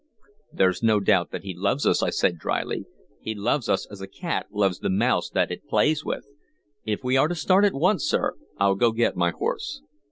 "There's no doubt that he loves us," I said dryly. "He loves us as a cat loves the mouse that it plays with. If we are to start at once, sir, I'll go get my horse."